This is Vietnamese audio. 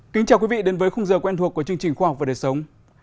kính chào quý vị đến với khung giờ quen thuộc của chương trình khoa học và đời sống